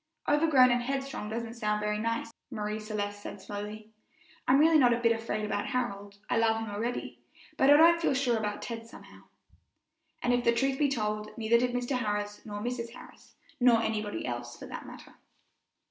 "Overgrown and headstrong doesn't sound very nice," Marie Celeste said slowly; "I'm really not a bit afraid about Harold I love him already, but I don't feel sure about Ted, somehow." And if the truth be told, neither did Mr. Harris nor Mrs. Harris, nor anybody else, for that matter.